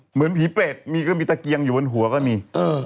เหมือนผีเปรตมีก็มีตะเกียงอยู่บนหัวก็มี